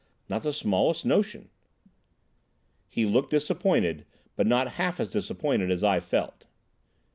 "Not the smallest notion." He looked disappointed, but not half as disappointed as I felt.